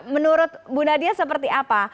menurut bu nadia seperti apa